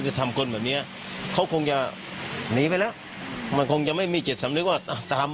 คือทำคนแบบเนี้ยเขาคงจะหนีไปแล้วมันคงจะไม่มีจิตสำนึกว่าตาม